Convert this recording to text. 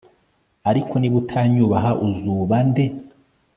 ariko niba utanyubaha, uzuba nde